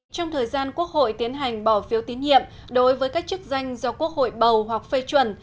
trong thời gian quốc hội tiến hành bỏ phiếu tín nhiệm đối với các chức danh do quốc hội bầu hoặc phê chuẩn